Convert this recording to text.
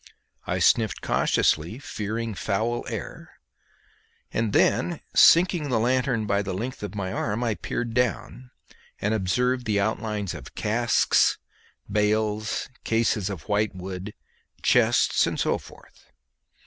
I sniffed cautiously, fearing foul air, and then sinking the lanthorn by the length of my arm I peered down, and observed the outlines of casks, bales, cases of white wood, chests, and so forth.